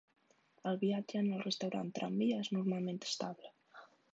El viatge en el restaurant tramvia és normalment estable.